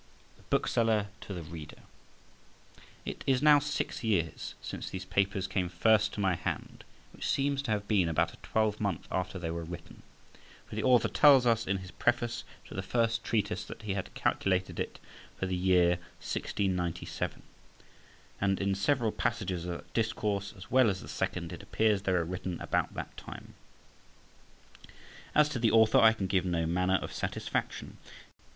THE BOOKSELLER TO THE READER. IT is now six years since these papers came first to my hand, which seems to have been about a twelvemonth after they were written, for the Author tells us in his preface to the first treatise that he had calculated it for the year 1697; and in several passages of that discourse, as well as the second, it appears they were written about that time. As to the Author, I can give no manner of satisfaction.